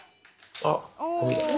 あっ。